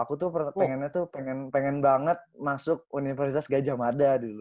aku tuh pengen banget masuk universitas gajah mada dulu